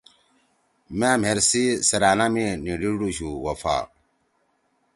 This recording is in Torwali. مأ مھیر سی سیرأنا می نی ڈیِڑُوشُو وفا